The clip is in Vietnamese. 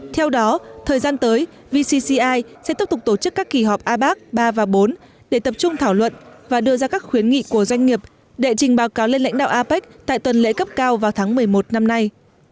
theo đó thời gian tới vcci sẽ tiếp tục tổ chức các kỳ họp a bac ba và bốn để tập trung thảo luận và đưa ra các khuyến nghị của doanh nghiệp đệ trình báo cáo lên lãnh đạo apec tại tuần lễ cấp cao vào tháng một mươi một năm nay